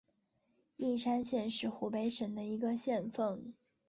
应山县是湖北省的一个县份。